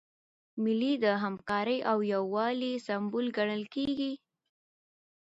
مېلې د همکارۍ او یووالي سمبول ګڼل کېږي.